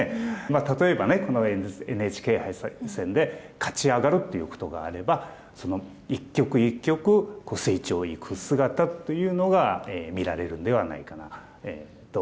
例えばこのＮＨＫ杯戦で勝ち上がるっていうことがあれば一局一局成長いく姿が見られるんではないかなと思いますね。